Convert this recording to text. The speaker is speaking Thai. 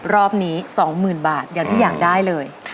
รอบนี้๒๐๐๐บาทอย่างที่อยากได้เลย